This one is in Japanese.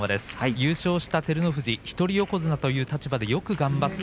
優勝した照ノ富士一人横綱でよく頑張った。